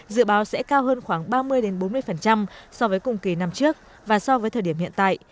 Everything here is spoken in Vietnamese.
dự báo sẽ cao hơn khoảng ba mươi bốn mươi so với cùng kỳ năm trước và so với thời điểm hiện tại